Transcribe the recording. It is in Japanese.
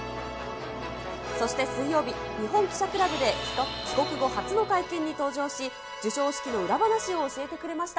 そして水曜日、日本記者クラブで帰国後初の会見に登場し、授賞式の裏話を教えてくれました。